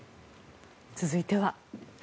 続いては。